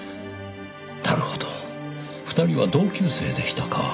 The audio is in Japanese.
なるほど２人は同級生でしたか。